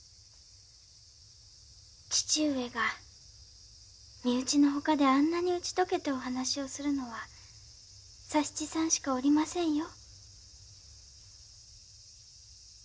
義父上が身内の外であんなに打ち解けてお話をするのは佐七さんしかおりませんよ。